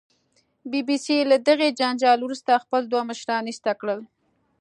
بي بي سي له دغې جنجال وروسته خپل دوه مشران ایسته کړل